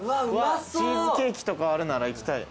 チーズケーキとかあるなら行きたい。